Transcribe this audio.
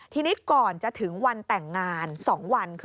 ทีนี้ก่อนจะถึงวันแต่งงาน๒วันคือ